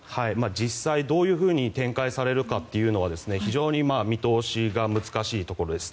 実際、どういうふうに展開されるかというのは非常に見通しが難しいところです。